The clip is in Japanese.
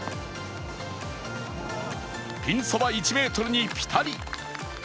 ピンそば１ｍにピタリ。